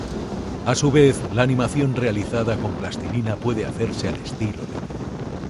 A su vez, la animación realizada con plastilina puede hacerse al estilo libre.